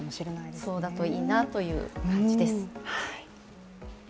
そうだといいなという感じです。